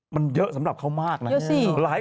มันเยอะสำหรับเขามากนะเยอะสิ